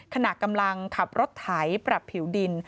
ขณะกำลังขับรถไถปรับผิวดิน